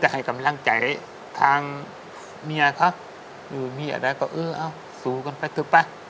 ไฮกำลังใจทางเมียค่ะเออก็เออเอาถูกกันไปเถอะปะ